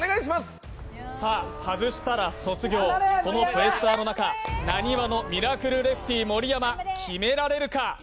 外したら卒業、このプレッシャーの中、なにわのミラクルレフティー盛山、決められるか。